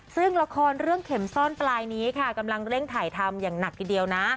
ซึ่งละครเรื่องเข็มซ่อนปลายนี้ค่ะกำลังเร่งถ่ายทำอย่างหนักทีเดียวนะ